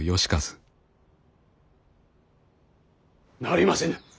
なりませぬ。